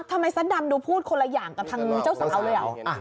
ทำไมสัตว์ดำดูพูดคนละอย่างกับทางนี้เจ้าสาวเลย